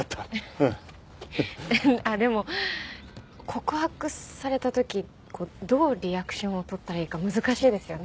でも告白された時どうリアクションを取ったらいいか難しいですよね。